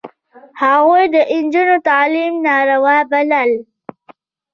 هغوی د نجونو تعلیم ناروا باله.